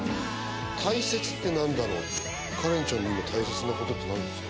「大切って何だろう？」ってカレンちゃんの今大切なことって何ですか？